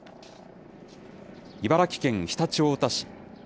茨城県常陸太田市。